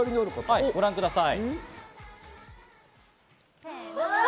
ご覧ください。